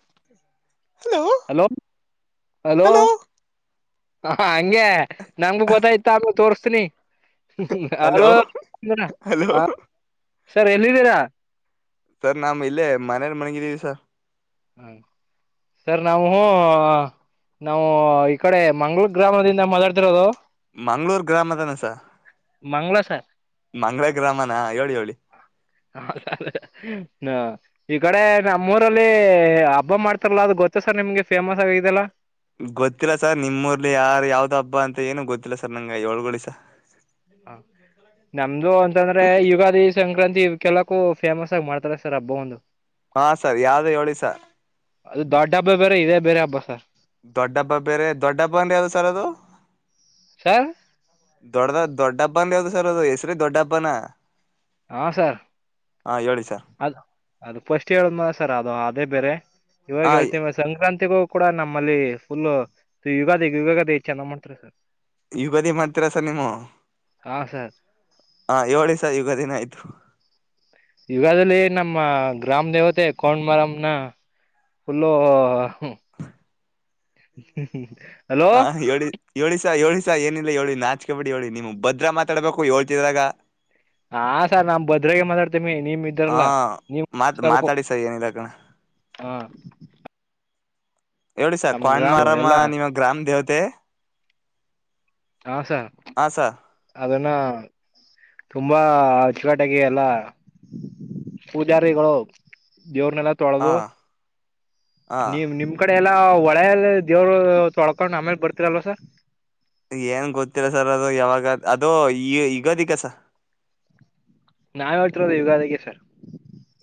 ಹ್ಮ hello hello ಹ ಹಂಗೆ ನಂಗಗು ಗೊತ್ತಾಯ್ತ ಆಮ ತೋರ್ಸ್ತನಿ ಹಲೋ ಹಲೋ ಸರ್ ಎಲ್ಲಿದ್ದೀರಾ ಸರ್ ನಾಮ್ ಇಲ್ಲೇ ಮನೇಲಿ ಮಣಗಿದೀವಿ ಸರ್ ಹ್ಮ್ ಸರ್ ನಾವು ನಾವು ಈ ಕಡೆ ಮಂ್ಗಳೂರ್ ಗ್ರಾಮದಿಂದ ಮಾತಾಡ್ತಿರೋದು ಮಂಗಗಳೂರು ಗ್ರಾಮದಾನಸ ಮಂಗ್ಳ ಸರ್ ಮಂಗಳ ಗ್ರಾಮನ ಹೇಳಿ ಹೇಳಿ ಹ ಹ ಈ ಕಡೆ ನಮ್ಮೂರಲ್ಲಿ ಹಬ್ಬ ಮಾಡ್ತಾರಲ ಅದು ಗೊ ಗೊತ್ತ ಸರ್ ನಿಮ್ಗೆ ಫೇಮಸ್ ಆಗಿದೆಲ್ಲ ಗೊತ್ತಿಲ್ಲ ಸರ್ ನಿಮ್ಮ್ಊರ್ಲಿ ಯಾರು ಯಾವ್ದ ಹಬ್ಬ ಅಂತ ಏನು ಗೊತ್ತಿಲ್ಲ ಸರ್ ನಂಗಗೆ ಒಳ್ಗಳಿಸ ಹ ನಮ್ದು ಅಂತಂದ್ರೆ ಯುಗಾದಿ ಸಂಕ್ರಾಂತಿ ಕೆಲಕ್ಕು ಫೇಮಸ್ ಆಗಿ ಮಾಡ್ತಾರೆ ಸರ್ ಹಬ್ಬ ಒಂದು ಹಾ ಸರ್ ಯಾವ್ದು ಹೇಳಿ ಸರ್ ಅದು ದೊಡ್ಡ ಹಬ್ಬ ಬೇರೆ ಇೇ ಬೇರೆ ಹಬ್ಬ ಸರ್ ದೊಡ್ಡ ಹಬ್ಬ ಬೇರೆ ದೊಡ್ಡ ಹಬ್ಬ ಅನ್ ಯಾವ್ದ ಸರ್ ಅದು ಸರ್ ದೊಡ್ಡದ ದೊಡ್ಡ ಹಬ್ಬನ ಯಾವ್ದ ಸರ್ ಅದು ಹೆಸರು ದೊಡ್ಡ ಹಬ್ಬನ ಹಾ ಸರ್ ಹಾ ಹೇಳಿ ಸರ್ ಅದು ಅದು ಪಫಸ್ಟ್ ಹೇಳಿದ್ ಮ ಸರ್ ಅದು ಅದೇ ಬೇರೆ ಇವಾಗ ಹಾ ಹೇಳ್ತವಿ ಮ ಸಂಕ್ರಾಂತಿ ಗ ಕೂಡ ನಮ್ಮಲ್ಲಿ ಫುಲ್ ಯುಗಾದಿ ಯುಗದೇ ಚೆನ್ನ ಮಾಡ್ತಾರೆ ಸರ್ ಯುಗದಿನ ಹತ್ರಸರ್ ನಿಮ್ಮ ಹಾ ಸರ್ ಹ ಏಳ ಸ ಯುಗ ದಿನ ಆಯ್ತು ಯುಗಾದದಲ್ಲಿ ನಮ್ಮ ಗ್ರಾಮ ದೇವತೆ ಕೋೊಂಡ ಮರಮನ ಫುಲ್ಲ ಹ ಹೇಳಏಳು ಏಳು ಸ ಏಳು ಏನಿಲ್ಲ ಹೇಳಿ ನಾಚು ಕಬಡ್ಡಿ ಹೇಳಿ ನೀಮ ಭದ್ರ ಮಾತಾಡ್ಬೇಕು ಹೇಳ್ತಿದಾಗ ಹಾ ಸರ್ ನಮ್ ಭದ್ರಗೆ ಮಾತಾಡ್ತೀನಿ. ನಿಮ್ ಹಾ ಇದ್ದಾರಲ್ಲ ನಿಮ್ ಮಾತ್ ಹಸ್ಕಬೇಕು ಮಾತಾಡಿ ಸರ್ ಏನಿಲ್ಲ ಕಣ ಹ. ಹೇಳಿ ಸರ್ ನಮ್ ಗ್ರಾಮ ಕ್ವಾಂಡ್ಮಾರಮ್ಮ ಎಲ್ಲಾ ನಿಮಗ ಗ್ರಾಮ್ ದೇವತೆ. ಹಾ ಸ. ಹಾ ಸ ಅದನ್ನ ತುಂಬಾ ಅಚ್ಚಗಟ್ಟಾಗಿ ಎಲ್ಲ ಪೂಜಾರಿಗಳು. ದೇವ್ರನೆಲ್ಲ ಹಾ ತೊಳದು ಹಾ ನೀವು ನಿಮ್ ಕಡೆ ಎಲ್ಲ ಹೊಳೆಯಲ್ಲಿ ದೇವರು ತೊಳ್ಕೊಂಡ್ ಆಮೇಲ್ ಬರ್ತೀರಲ್ವಾ ಸರ್. ಏನ್ ಗೊತ್ತಿಲ್ಲ ಸರ್ ಅದು ಯಾವಾಗ ಅದು ಈ ಯುಗಾದಿಗೆ ಸರ್. ನಾವ್ ಹೇಳ್ತಿರೋದು ಯುಗಾದಿಗೆ ಸರ್.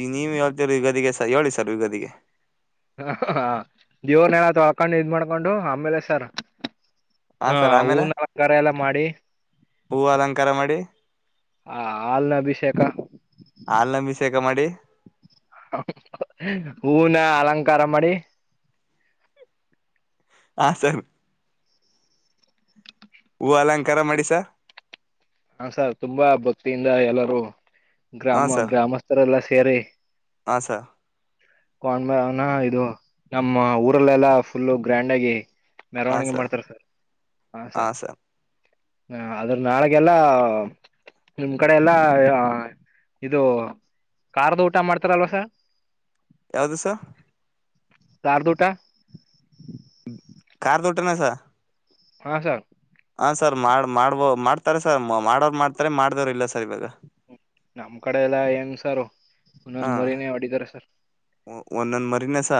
ಈಗ್ ನೀವ ಹೇಳ್ತಿರ ಯುಗದಿಗೆ ಸರ್ ಹ್ಯೋಳಿ ಸರ್ ಯುಗದಿಗೆ. ಹ ಹ ದೇವ್ರನೆಲ್ಲ ತಿಳಿಕೊಂಡ ಇದ್ ಮಾಡಕೊಂಡು ಆಮೇಲೆ ಸರ್. ಹಾ ಸರ್ ಆಮೇಲೆ ಹೂವುನ್ ಅಲಂಕಾರ ಎಲ್ಲ ಮಾಡಿ. ಹೂವು ಅಲಂಕಾರ ಮಾಡಿ ಹ ಹಾಲ್ನ ಅಭಿಷೇಕ. ಹಾಲ್ನ ಅಭಿಷೇಕ ಮಾಡಿ. ಹೂವುನ ಅಲಂಕಾರ ಮಾಡಿ. ಹಾ ಸರ್ ಹೂ ಅಲಂಕಾರ ಮಾಡಿ ಸಾ ಹಾ ಸರ್ ತುಂಬಾ ಭಕ್ತಿಯಿಂದ ಎಲ್ಲರೂ. ಹಾ ಗ್ರಾಮ ಸರ್ ಗ್ರಾಮಸ್ಥರ ಎಲ್ಲ ಸೇರಿ. ಹಾ ಸ್ ಕೊಂಡ್ಮನ ಇದು ನಮ್ಮ ಊರಲ್ಲೆಲ್ಲಾ ಫುಲ್ಲು ಗ್ರ್ಯಾಂಡ್ ಆಗಿ. ಮೆರವಣಿಗೆ ಮಾಡ್ತಾರ ಸರ್ ಹಾ ಸರ್. ಹ ಅದ್ರ ನಾಳಗೆಲ್ಲ. ನಿಮ್ ಕಡೆ ಎಲ್ಲಾ ಯ ಇದು. ಕಾರ್ದ ಊಟ ಮಾಡ್ತಾರಲ್ವ ಸರ್. ಯಾವ್ದು ಸರ್. ಕಾರ್ದ ಊಟಾ. ಕಾರ್ದ ಊಟಾನಾ ಸರ್. ಹಾ ಸರ್ ಹ ಸರ್ ಮಾಡ ಮಾಡ್ಬೋ ಮಾಡ್ತಾರೆ ಸರ್. ಮಾ ಮಾಡೋರು ಮಾಡ್ತಾರೆ ಮಾಡದೇವ್ರು ಇಲ್ಲ ಸರ್ ಇವಾಗ. ನಮ್ ಕಡೆ ಎಲ್ಲ ಹೆಂಗ ಸಾರು. ಹಾ ಒಂದೊಂದ್ ಮರಿನೇ ಹೊಡಿದಾರ ಸರ್ ಒಂದೊಂದ ಮರಿನೆ ಸ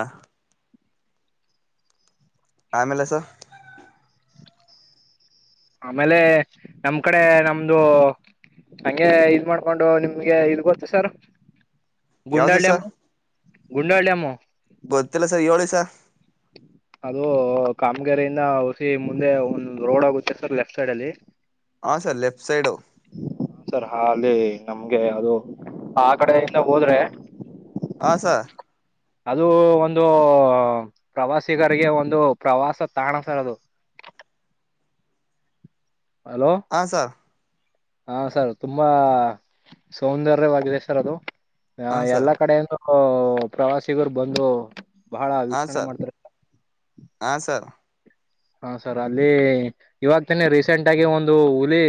ಆಮೇಲೆ ಸ ಆಮೇಲೆ ನಮ್ ಕಡೆ ನಮ್ದು. ಹಂಗೆ ಇದ ಮಾಡ್ಕೊಂಡು ನಿಮ್ಗೆ ಇದು ಗೊತ್ತು ಸರ್. ಯಾವ್ದು ಗುಂಡ್ಯಾಲ್ಯಂ ಸರ್ ಗುಂಡ್ಯಾಲ್ಯಂ ಮೂ. ಗೊತ್ತಿಲ್ಲ ಸರ್ ಹ್ಯೋಳಿ ಸರ್. ಅದು ಕಾಮಗೆರೆಯಿಂದ ಹೊಸಿ ಮುಂದೆ ಒಂದ ರೋಡ್ ಹೊಗುತ್ತೆ ಸರ್ ಲೆಫ್ಟ್ ಸೈಡ್ ಅಲ್ಲಿ. ಹಾ ಸರ್ ಲೆಫ್ಟ್ ಸೈಡು. ಸರ್ ಹ ಅಲ್ಲಿ ನಮ್ಗೆ ಅದು ಆ ಕಡೆಯಿಂದ ಹೋದ್ರೆ. ಹ ಸರ್ ಅದು ಒಂದು ಪ್ರವಾಸಿಗರಿಗೆ ಒಂದು ಪ್ರವಾಸ ತಾಣ ಸರ್ ಅದು. [inaudible] ಹಲೋ ಹ ಸರ್ ಹಾ ಸರ್ ತುಂಬಾ ಸೌಂದರ್ಯವಾಗಿದೆ ಸರ್ ಅದು. ಹ ಹಾಂ ಸರ್ ಎಲ್ಲಾ ಕಡೆಯಿಂದನು ಪ್ರವಾಸಿಗರು ಬಂದು. ಭಾಳ ವೀಕ್ಷಣೆ ಮಾಡ್ತಾರೆ ಹ ಸರ್ ಹಾ ಸರ್ ಅಲ್ಲಿ ಇವಾಗ್ತನೆ ರೀಸೆಂಟ್ ಆಗಿ ಒಂದು ಹುಲಿ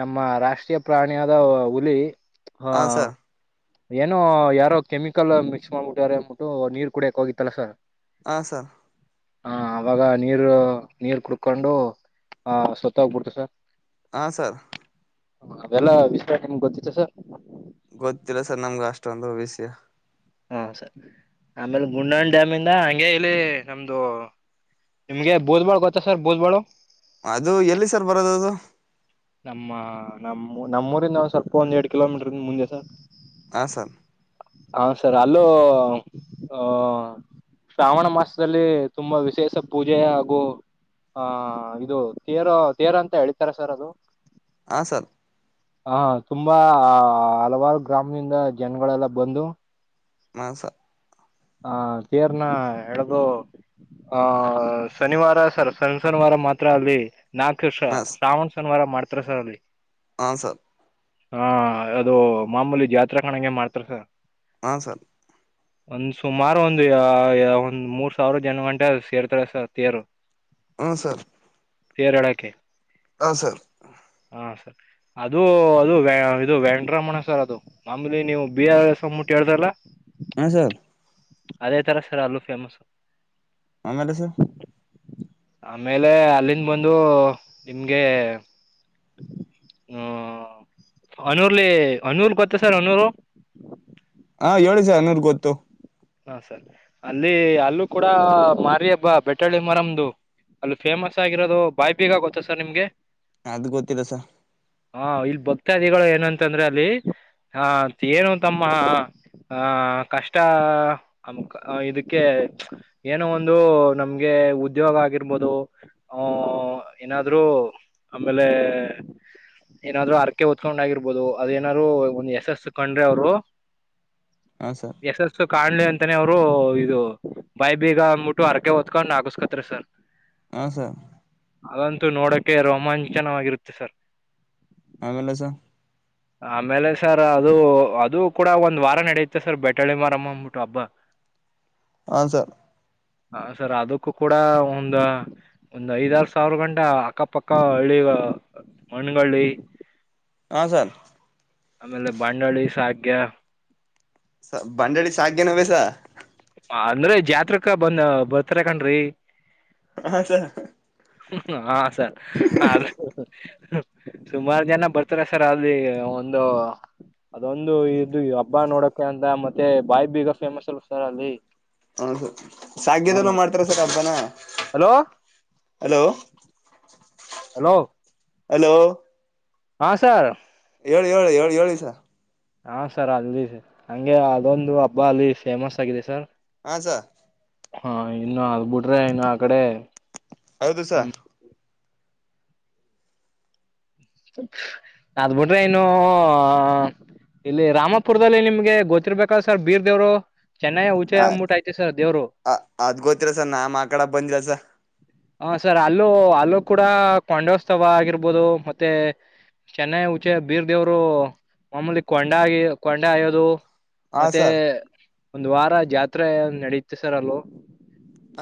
ನಮ್ಮ ರಾಷ್ಟ್ರೀಯ ಪ್ರಾಣಿಯಾದ ಹುಲಿ ಹ ಹಾಂ ಸರ್ ಏನೋ ಯಾರೋ ಕೆಮಿಕಲ್ ಮಿಕ್ಸ್ ಮಾಡ್ಬಿಟ್ಟಾರ ಅನ್ಬಿಟ್ಟು ನೀರ್ ಕುೂಡ ಯಾಕ ಹೋಗಿತ್ತಲ್ಲಾ ಸರ್ ಹ ಸರ್ ಹಾ ಅವಾಗ ನೀರು ನೀರ್ ಕುಡ್ಕೊಂಡು ಆ ಸತ್ತೋಗಬಿಡ್ತ ಸರ್ ಹಾ ಸರ್ ಹ ಅದೆಲ್ಲಾ ವಿಸ್ರ ನಿಮಗ್ ಗೊತ್ತಿತ್ತು ಸ ಗೊತ್ತಿಲ್ಲ ಸರ್ ನಮ್ಗ ಅಷ್ಟೊಂದು ವಿಷ್ಯ ಹಾ ಸರ್ ಆಮೇಲೆ ಗುಂಡಾಣಿ ಡ್ಯಾಮ ಇಂದ ಹಗೆ ಇಲ್ಲಿ ನಮ್ದು ನಿಮ್ಗೆ ಬುದ್ಬಳು ಗೊತ್ತಾ ಸರ್ ಬೋದ್ಬಾಳು ಅದು ಎಲ್ಲಿ ಸರ್ ಬರೋದ ಅದು ನಮ್ಮ ನಮ್ಮ ನಮ್ಮೂರಿಂದ ಸ್ವಲ್ಪ ಒಂದ್ ಎರಡ್ ಕಿಲೋಮೀಟರ್ಂದ ಮುಂಜೆ ಸ ಹ ಸರ್ ಹ ಸರ್ ಅಲ್ಲೋ ಶ್ರಾವಣ ಮಾಸದಲ್ಲಿ ತುಂಬಾ ವಿಶೇಷ ಪೂಜೆ ಹಾಗೂ ಹ ಇದು ತೇರು ತೇರ ಅಂತ ಹತಾರೆ ಸರ್ ಅದು ಹ ಸರ್ ಹ ತುಂಬಾ ಆ ಹಲವಾರು ಗ್ರಾಮದಿಂದ ಜನಗಳೆಲ್ಲ ಬಂದು ಮಾಸ ಹ ತೀರ್ನ ಎಳ್ದ ಆ ಶನಿವಾರ ಸರ್ ಶನಿವಾರ ಮಾತ್ರ ಅಲ್ಲಿ ನಾಕು ವರ್ಷ ಶ್ರಾವಣ್ ಶನಿವಾರ ಮಾಡ್ತಾರ ಸರ್ ಅಲ್ಲಿ ಹ ಸರ್ ಹಾ ಅದು ಮಾಮೂಲಿ ಜಾತ್ ಕಣಂಗಗೆ ಮಾಡ್ತಾರಸ ಹಾ ಸರ್ ಒಂದುಸ ಸುಮಾರು ಒಂದು ಒಂದ್ ಮೂರ್ ಸಾವಿರ ಜನ ಗಂಟೆ ಸೇರ್ತಾರೆ ಸ ತೇರು ಹ ಸರ್ ಕೇರಳಕ್ಕೆ ಹ ಸರ್ ಹ ಸರ್ ಅದು ಅದು ಇದು ವೆಂಡ್ರಮಣ ಸರ್ ಅದು ಆಮೇಲಿ ನೀವು ಬಿ ಆರ್ ಎ ಮುಟ್ಟ ಅಲ್ಲ ಹ ಸರ್ ಅದೇ ತರ ಸರ್ ಅಲ್ಲೂ ಫೇಮಸ್ ಆಮೇಲೆ ಸರ್ ಆಮೇಲೆ ಅಲ್ಲಿಂದ ಬಂದು ನಿಮ್ಗೆ ಹ್ಮ ಅನೂರ್ಲಿ ಅನೂರ್ ಗೊತ್ತ ಸರ್ ಅನೂರು ಹಾ ಏಳು ಸರ್ ನನ್ನೂರ್ ಗೊತ್ತು ಹಾ ಸರಿ ಅಲ್ಲಿ ಅಲ್ಲೂ ಕೂಡ ಮಾರ ಹಬ್ಬ ಬೆಟ್ಟಳ್ಳಿ ಮರಮ್ದು ಅಲ್ಲಿ ಫೇಮಸ್ ಆಗಿರೋದು ಬಾಯಿ ಬೀಗ ಗೊತ್ತಾ ಸರ್ ನಿಮ್ಗೆ ಅದು ಗೊತ್ತಿಲ್ಲಸ ಹಾ ಇಲ್ಲಿ ಭಕ್ತಾದಿಗಳು ಏನಂತಂದ್ರೆ ಅಲ್ಲಿ ಹ ಏನು ತಮ್ಮ ಹ ಕಷ್ಟ ಅಮ ಇದಕ್ಕೆ ಏನೋ ಒಂದು ನಮ್ಗೆ ಉದ್ಯೋಗ ಆಗಿರ್ಬೋದು ಹ ಏನಾದ್ರರು ಆಮೇಲೆ ಏನಾದ್ರು ಅರ್ಕೆ ಹೊತ್ಕೊಂಡ್ ಆಗಿರ್ಬೋದು ಅದೇನಾದ್ರು ಒಂದ್ ಯಶಸ್ ಕಂಡ್ರೆ ಅವರು ಹಾಂ ಸರ್ ಯಶಸ್ಸು ಕಾಣಲಿ ಅ ತಾನೇ ಅವರು ಇದು ಬಾಯಿ ಬೀಗ ಅಬಟ್ಟು ಅರಕ ಹೊತ್ಕೊಂಡ್ ಹಗಸ್ಕತ್ ಸರ್ ಹಾ ಸರ್ ಅದಂತೂ ನೋಡಕೆ ರೋಮಾಂಚನವಾಗಿರುತ್ತೆ ಸರ್ ಆಮೇಲೆ ಸ ಆಮೇಲೆ ಸರ್ ಅದು ಅದು ಕೂಡ ಒಂದ್ ವಾರ ನಡೆಯುತ್ತೆ ಸರ್ ಬೆಟಳ್ಳಿ ಮಾರಮ್ಮ ಅಂದ್ಬಿಟ್ಟು ಹಬ್ಬ ಹ ಸರ್ ಹ ಸರ್ ಅದಕ್ಕೂ ಕೂಡ ಒಂದ ಒಂದ್ ಐದಾರ ಸಾವಿರ ಗಂಟ ಅಕ್ಕಪಕ್ಕ ಹಳ್ಳಿ ಮಣಕೊಳ್ಳಿ ಹಾ ಸರ್ ಆಮೇಲೆ ಬಂಡಳಿ ಸಖ್ಯ ಸ ಬಂಡಡಿ ಶಾಕನ ಬಸ ಅಂದ್ರೆ ಜಾತ್ಕ ಬಂದ ಬರ್ತರಕನ್್ರಿ ಹಾ ಸ ಹಾ ಸರ್ ಸುಮಾರು ಜನ ಬರ್ತಾರ ಸರ್ ಅಲ್ಲಿ ಒಂದು ಅದೊಂದು ಇದು ಹಬ್ಬ ನೋಡಕ ಅಂತ ಮತ್ತೆ ಬಾಯಿಬ ಈಗ ಫೇಮಸ್ ಅಲ್ ಸರ್ ಅಲ್ಲಿ ಹ ಸಾಗದನ ಮಾಡ್ತಾರ ಸರ್ ಹಬ್ಬನ ಹಲೋ ಹಲೋ ಹಲೋ ಹಲೋ ಹಾ ಸರ್ ಹೇಳಿ ಹೇಳಿ ಹೇಳಿ ಹೇಳಿ ಸ ಹಾ ಸರ್ ಅಲ್ಲಿ ಹಂಗೆ ಅದೊಂದು ಹಬ್ಬ ಅಲ್ಲಿ ಫೇಮಸ್ ಆಗಿದೆ ಸರ್ ಹ ಸ ಹಾ ಇನ್ನು ಅದ ಬಿಿಟ್ರೆ ಇನ್ನು ಆ ಕಡೆ ಹೌದುಸ ಹ್ಮ್ ಅದ್ ಬಿಿಟ್ರೆ ಇನು ಇಲ್ಲಿ ರಾಮಪುರದಲ್ಲಿ ನಿಮ್ಗೆ ಗೊತ್ತಿರ್ಬೇಕಾದ ಸರ್ ಬೀರ್ ದೇವ್ರು ಚೆನ್ನೈ ಊಚಾಯ ಮೂಟ ಆಐತಿ ಸರ್ ದೇವರುೋ ಅದ್ ಗೊತ್ತಿಲ್ಲ ಸರ್ ನಾಮ್ ಆ ಕಡ ಬಂದಿಲ್ಲ ಸರ್ ಹ ಸರ್ ಅಲ್ಲೂ ಅಲ್ಲೂ ಕೂಡ ಕೊಂಡೋತ್ಸವ ಆಗಿರ್ಬೋದು ಮೆ ಮತ್ತೆ ಚೆನ್ನ ಉಚೆ ಬೀರ್ ದೇವ್ರು ಮಮೂಲಿ ಕೊಂಡ ಆಗಿ ಕೊಂಡ ಆಯೋದು ಹಾ ಮತ್ತೆ ಸರ್ ಒಂದ್ ವಾರ ಜಾತ್ರೆ ನಡೀತೆ ಸರ್ ಅಲ್ೂ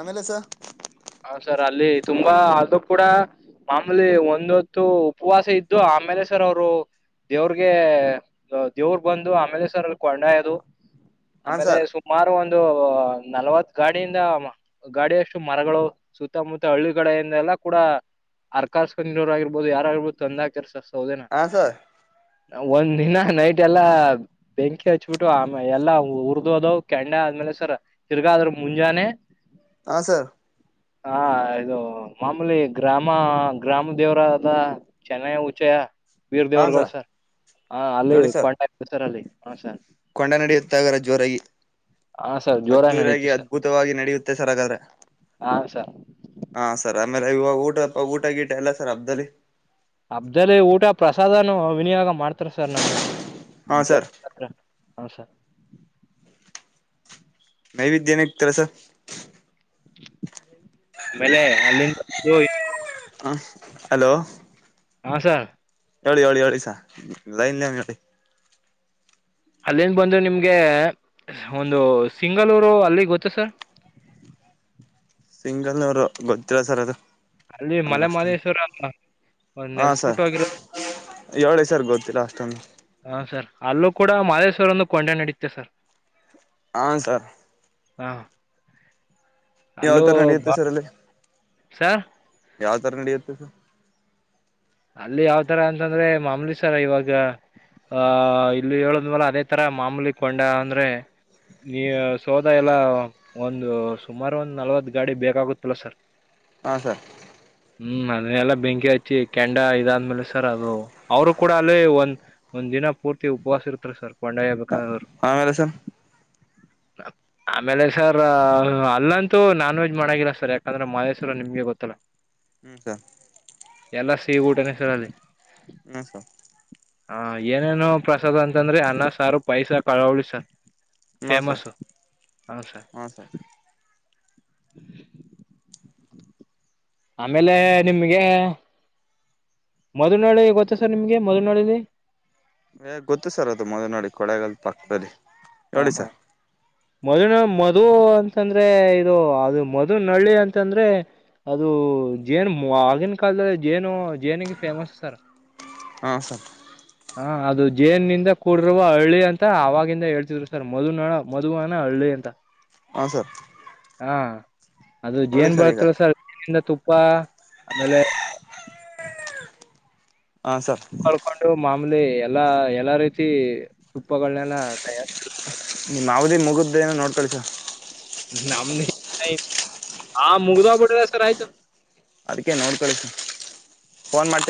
ಆಮೇಲೆ ಸ ಹ ಸರ್ ಅಲ್ಲಿ ತುಂಬಾ ಅದು ಕೂಡ ಮಾಮೂಲಿ ಒಂದೊತ್ತು ಉಪವಾಸ ಇದ್ದು ಆಮೇಲೆ ಸರ್ ಅವರು ದೇವ್ರಗೆ ದೇವ್ರ ಬಂದು ಆಮೇಲೆ ಸರ್ ಅಲ್ಲಿ ಕೊಂಡಯದು ಹಾ ಆಮೇಲೆ ಸರ್ ಸುಮಾರು ಒಂದು ಒಂದು ನಲವತ್ ಗಾಡಿಯಿಂದ ಗಾಡ ಅಷ್ಟು ಮರಗಳು ಸುತ್ತಮುತ್ತ ಹಳ್ಳಿಡೆಯಿಂದ ಎಲ್ಲ ಕೂಡ ಅರ್ ಕಾರ್ಸ್ಕೊಂಡಿರ್ ಆಗಿರ್ಬೋದು ಯಾರಾಗಿರ್ಬೋದು ತಂದ ಕೆರ್ಸ ಹ ಸರ್ ಒಂದ್ ದಿನ ನೈಟ್ ಎಲ್ಲ ಬೆಂಕಿ ಹಚ್ಬಿಟ್ಟು ಆಮೇ ಎಲ್ಲಾ ಹರ್ಿದು ಅದ ಕೆಂಡ ಆದ್ಮೇಲೆ ಸರ ತಿರ್ಗಾದ್ರ ಮುಂಜಾನೆ ಹಾ ಸರ್ ಹಾ ಇದು ಮಾಮೂಲಿ ಗ್ರಾಮ ಗ್ರಾಮ ದೇವರ ಅದ ಚೆನ್ನ ಉಚಯ ವೀರ್ ದೇವ್ರಗಳು ಸರ್ ಹ ಅಲ್ಲಿ ಹೇಳಿ ಸರ್ ಕೊಂಡ ಸರ್ ಅಲ್ಲಿ ಹ ಸರ್ ಕೊಂಡ ನಡೆಯುತ್ತಾಗರ ಜೋರಾಗಿ ಹಾ ಸರ್ ಜೋರಾಗಿ ಅದ್ಧೂರಾಗಿ ನಡೀತು ಸರ್ ಅದ್ಭುತವಾಗಿ ನಡೆಯುತ್ತೆ ಸರಕಾದ್ರೆ ಹಾ ಸರ್ ಹಾ ಸರ್ ಆಮೇಲೆ ಇವಾಗ ಊಟ ಊಟ ಗೀಟ ಎಲ್ಲ ಸರ್ ಹಬ್ಬ್ದದಲ್ಲಿ ಅಬ್್ದಲ್ಲ ಊಟ ಪ್ರಸಾದನ ವಿನಿಯೋಗ ಮಾಡ ಮಾಡ್ತಾರ ಸರ್ ನಮ್ಮ ಹಾ ದವ ಸರ್ ಹ ಹ ಸರ್ ನೈವೇದ್ಯ ಏನ ತರಸ ಆಮೇಲೆ ಅಲ್ಲಿಂದ ಹ ಹಲೋ ಹಾ ಸರ್ ಹೇಳಿ ಹೇಳಿ ಹೇಳಿ ಸ ಇನ್ಯ ಹೇಳಿ ಅಲ್ಲಿನ್ ಬಂದ ನಿಮ್ಗೆ ಒಂದು ಸಿಂಗಳೂರು ಅಲ್ಲಿ ಗೊತ್ತ ಸರ್ ಸಿಂಗಲ್ನೂರು ಗೊತ್ತಿಿಲ್ಲ ಸರ್ ಅದು ಅಲ್ಲಿ ನಮ್ಗೆ ಅಷ್ಟೊಂದು ಮಲೆಮಾಲೇಶ್ವರ ಒ ನೆಲ್ಸ್ಬಿಟ್ಟ ಹೋಗಿರ ಏಳೇ ಸರ್ ಗೊತ್ತಿಲ್ಲ ಅಷ್ಟೊಂದು ಹಾ ಸರ್ ಅಲ್ಲೂ ಕೂಡ ಮಹದೇಶ್ವರ ಒಂದು ಕೊಂಡೆ ನಡೀುತ್ತೆ ಸರ್ ಹನ್ ಸರ್ ಹ ಯಾವ ಅಲೋ ಥರ ನಡೆಯುತ್ತೆ ಸರ್ ಅಲ್ಲಿ ಸರ್ ಯಾವ ತರ ನಡಿಯುತ್ತೆ ಸ ಅಲ್ಲಿ ಯಾವ್ ತರ ಅಂತಂದ್ರೆ ಮಾಮೂಲಿ ಸರ ಇವಾಗ ಆಹ ಇಲ್ಲಿ ಹೇಳದ್ ಮೇಲ ಅದೇ ತರ ಮಾಮೂಲಿ ಕೊಂಡ ಅಂದ್ರೆ ನೀ ಸೋದ ಎಲ್ಲ ಒಂದು ಸುಮಾರು ಒಂದ್ ನಲ್ವತ್ ಗಾಡಿ ಬೇಕಾಗುತ್ತಲ್ಲ ಸರ್ ಹಾಂ ಸರ್ ಹ್ಮ್ ನಾನೆ ಎಲ್ಲ ಬೆಂಕಿ ಅಿ ಕೆಂಡ ಇದಾದ್ಮೇಲೆ ಸರ್ ಅದು ಅವರು ಕೂಡ ಅಲ್ಲಿೇ ಒಂದ್ ಒಂದ್ ದಿನ ಪೂರ್ತಿ ಉಪವಾಸ ಇರ್ತಾರೆ ಸರ್ ಹೊಂಡಯಬೇಕ ಅವರು ಆಮೇಲೆ ಸರ್ ಆಮೇಲೆ ಸರ್ ಅಲ್ಲಂತೂ ನಾನ್ ವೆಜ್ ಮಾಡಾಗಿಲ್ಲ ಸರ್ ಯಾಕಂದ್ರೆ ಮಾಹೇಶ್ವರ ನಿಮ್ಗೆ ಗೊತ್ತಲ್ಲಾ ಹ್ಮ ಸ ಎಲ್ಲ ಸಿೇ ಊಟನ ಸರಲ್ಲಿ ಇ ಸ ಹ ಏನೇನು ಪ್ರಸಾದ್ ಅಂತಂದ್ರೆ ಅನ್ನ ಸಾರು ಪೈಸ ಕಳೋಳಿ ಸಾರ್ ಹಾಂ ಸರ್ ಫೇಮಸ್ು ಹ ಸರ್ ಆಮೇಲೆ ನಿಮ್ಗೆ ಮೊದ್ನಾಳಿ ಗೊತ್ತಾ ಸರ್ ನಿಮ್ಗೆ ಮೊದ್ಲನಾಳಲ್ಲಿ ಏ ಗೊತ್ತು ಸರ್ ಅದು ಮೊದಲು ನೋಡಿ ಕೊಳಗಲ್ ಪಕ್ಕದಲ್ಲಿ ನೋಡಿ ಸರ್ ಮದ್ನ ಮಧು ಅಂತಂದ್ರೆ ಇದು ಅದು ಮದು ನಳ್ಳಿ ಅಂತಂದ್ರೆ ಅದು ಜೇನು ಆಗಿನ ಕಾಲದ ಜೇನು ಜೇನಿಗೆ ಫೇಮಸ್ ಸರ್ ಹಾಂ ಸರ್ ಹಾ ಅದು ಜೇನಿಂದ ಕೂಡಿರುವ ಹಳ್ಳಿ ಅಂತ ಆವಾಗಿಂದ ಹೇಳ್ತ ಸರ್ ಮದ ನಳ ಮದುವು ಅನ ಹಳ್ಳಿ ಅಂತ ಹಾಂ ಸರ್ ಹಾ ಅದು ಹೇಳಿ ಜಏನ್ ಈಗ ಬರುತ್ತಲ್ಲ ಸರ್ ತುಪ್ಪ ಅಪ್ಪ ಆಮೇಲೆ ಹಾಂ ಸರ್ ಕಳ್ಕೊಂಡು ಮಾಮೂಲಿ ಎಲ್ಲಾ ಎಲ್ಲಾ ರೀತಿ ತುಪ್ಪಗಳನೆೆಲ್ಲ ತಯಾರ್ ನೀ ಯಾವವುದಿ ಮುಗುದ್ದೇಏನ ನೋಡ್ತಿ ಸರ್ ನಮ್ದ ಆ ಮುಗ್ದೋಗ್ಬಿಡ್ರ ಸರ್ ಆಯ್ತು ಅದಕ್ಕೆ ನೋಡ್ಕೊಳ್ಳ ಫೋನ್ ಮಾಡ್ತ